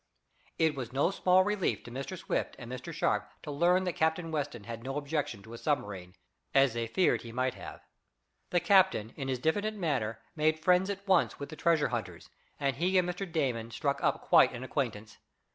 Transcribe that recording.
It was no small relief to Mr Swift and Mr. Sharp to learn that Captain Weston had no objections to a submarine, as they feared he might have. The captain, in his diffident manner, made friends at once with the treasure hunters, and he and Mr. Damon struck up quite an acquaintance.